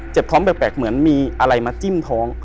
ท้องแปลกเหมือนมีอะไรมาจิ้มท้อง